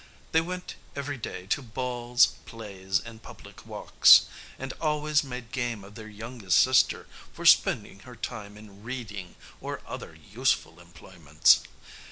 They went every day to balls, plays, and public walks, and always made game of their youngest sister for spending her time in reading or other useful employments.